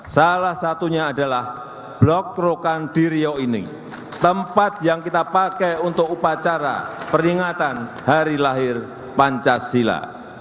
salah satunya adalah blok rokan di riau ini tempat yang kita pakai untuk upacara peringatan hari lahir pancasila